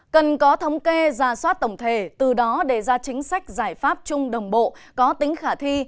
cần có thống kê ra soát tổng thể từ đó đề ra chính sách giải pháp chung đồng bộ có tính khả thi